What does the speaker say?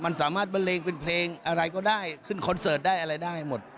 มันสามารถบันเลงเป็นเพลงอะไรก็ได้ขึ้นคอนเสิร์ตได้อะไรได้หมด